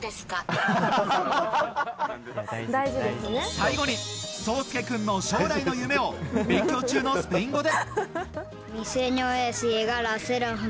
最後に、颯亮君の将来の夢を勉強中のスペイン語で。